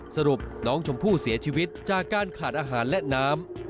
สรุปน้องชมพู่เสียชีวิตจากการขาดอาหารและน้ำ